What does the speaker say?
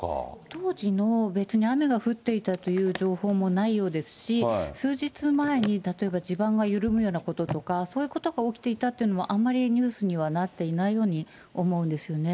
当時も別に雨が降っていたという情報もないようですし、数日前に、例えば地盤が緩むようなこととか、そういうことが起きていたということもあんまりニュースにはなっていないように思うんですよね。